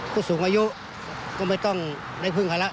ผู้สูงอายุก็ไม่ต้องได้พึ่งภาระ